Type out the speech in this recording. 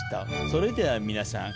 それでは皆さん。